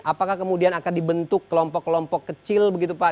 apakah kemudian akan dibentuk kelompok kelompok kecil begitu pak